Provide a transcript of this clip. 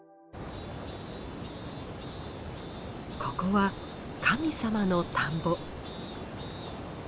ここは神様の田んぼ。